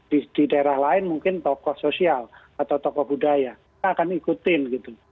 di daerah lain mungkin tokoh sosial atau tokoh budaya kita akan ikutin gitu